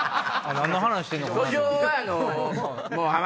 何の話してんのかな？